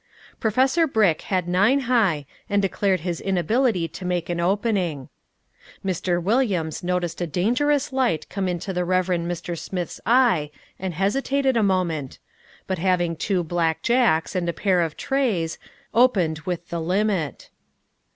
Professor Brick had nine high and declared his inability to make an opening. Mr. Williams noticed a dangerous light come into the Reverend Mr. Smith's eye and hesitated a moment, but having two black jacks and a pair of trays, opened with the limit.